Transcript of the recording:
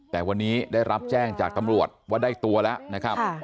แต่วันนี้ได้รับแจ้งจากตำรวจว่าได้ตัวแล้วนะครับ